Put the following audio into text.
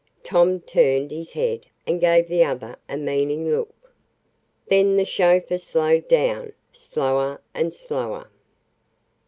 Tom turned his head and gave the other a meaning look. Then the chauffeur slowed down slower and slower.